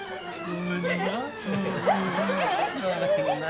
ごめんな。